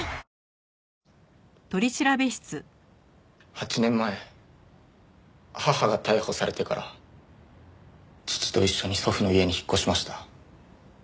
８年前母が逮捕されてから父と一緒に祖父の家に引っ越しました。